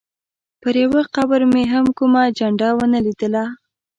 پر یوه قبر مې هم کومه جنډه ونه لیدله.